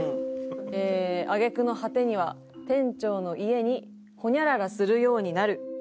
挙げ句の果てには店長の家にホニャララするようになる。